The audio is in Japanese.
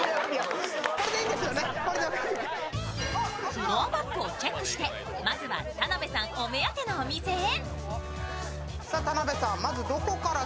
フロアマップをチェックしてまずは田辺さんお目当てのお店へ。